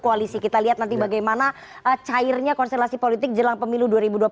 koalisi kita lihat nanti bagaimana cairnya konstelasi politik jelang pemilu dua ribu dua puluh dua ribu dua puluh satu